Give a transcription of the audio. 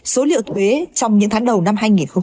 số liệu thuế trong những tháng đầu năm hai nghìn hai mươi